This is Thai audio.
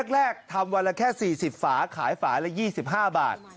แรกทำวันละแค่๔๐ฝาขายฝาละ๒๕บาท